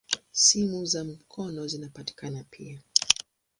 Simu za mkono zinapatikana pia.